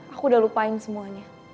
aku udah lupain semua